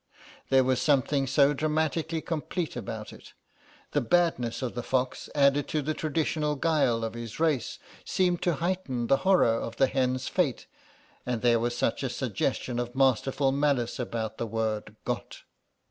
There was something so dramatically complete about it; the badness of the fox, added to all the traditional guile of his race, seemed to heighten the horror of the hen's fate, and there was such a suggestion of masterful malice about the word 'got.